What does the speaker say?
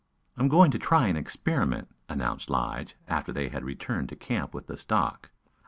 "I'm going to try an experiment," announced Lige, after they had returned to camp with the stock.